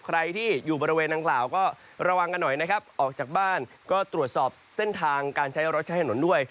ใครที่อยู่บริเวณนางกล่าวก็ระวังกันหน่อยนะครับออกจากบ้านก็ตรวจสอบเส้นทางการใช้รถใช้ถนนด้วย